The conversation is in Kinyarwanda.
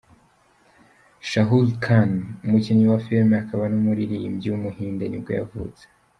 Shahrukh Khan, umukinnyi wa filime akaba n’umuririmbyi w’umuhinde nibwo yavutse.